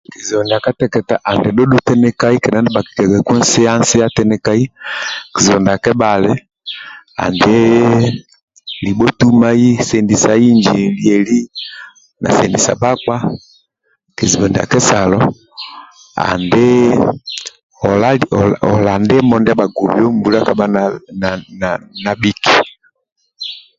Kizibu ndia kateketa ali dhudhu tinikai kedha ndia bhakiagaku nsia nsia tinikai kizibu ndia kebhali andi libho tumai sendisa inji lieli na sendisa bhakpa kizibu ndia kesalo andi ola ndimo mbula kabha nabhiki